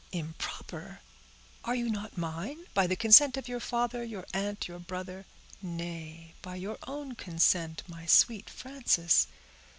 "Improper! are you not mine—by the consent of your father—your aunt—your brother—nay, by your own consent, my sweet Frances?"